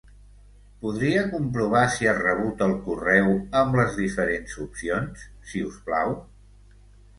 Podria comprovar si ha rebut el correu amb les diferents opcions, si us plau?